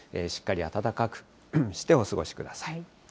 しっかり暖かくしてお過ごしください。